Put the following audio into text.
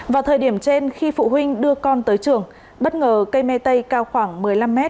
vào thời điểm trên khi phụ huynh đưa con tới trường bất ngờ cây me tây cao khoảng một mươi năm m